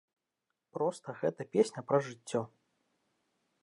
Проста гэта песня пра жыццё.